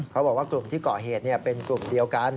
เขาบอกว่ากลุ่มที่ก่อเหตุเป็นกลุ่มเดียวกัน